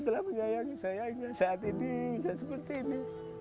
belum menyayangi saya saat ini bisa seperti ini